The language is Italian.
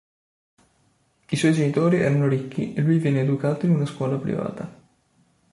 I suoi genitori erano ricchi e lui viene educato in una scuola privata.